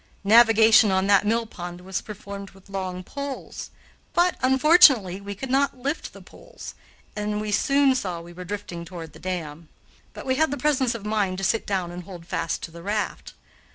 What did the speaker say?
Navigation on that mill pond was performed with long poles, but, unfortunately, we could not lift the poles, and we soon saw we were drifting toward the dam. But we had the presence of mind to sit down and hold fast to the raft.